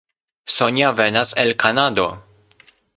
Sonja venas el Kanado.